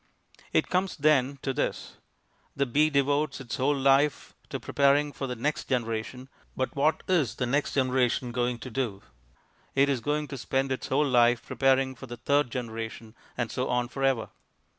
It comes, then, to this. The bee devotes its whole life to preparing for the next generation. But what is the next generation going to do? It is going to spend its whole life preparing for the third generation... and so on for ever.